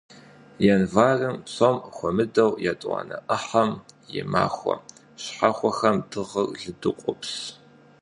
Январым, псом хуэмыдэу етӀуанэ Ӏыхьэм, и махуэ щхьэхуэхэм дыгъэр лыду къопс.